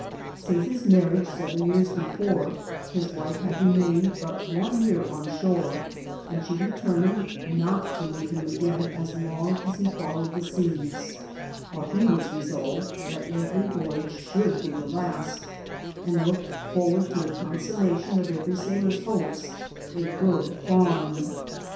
Since his marriage seven years before, his wife had remained but one year on shore, and she determined not to leave him again as long as he followed the seas, while he was resolved that every voyage should be the last, and looked for ward to the consummation of every sailor's hopes, a good farm.